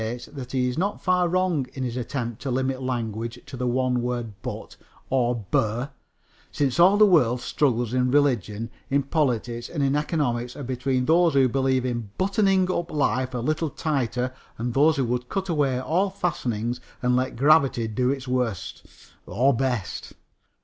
that he is not far wrong in his attempt to limit language to the one word "but" or "bur," since all the world struggles in religion, in politics and in economics are between those who believe in buttoning up life a little tighter and those who would cut away all fastenings and let gravity do its worst or best.